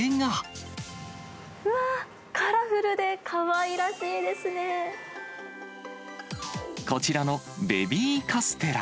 うわー、カラフルでかわいらこちらのベビーカステラ。